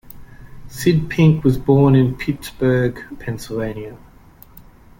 Sid Pink was born in Pittsburgh, Pennsylvania.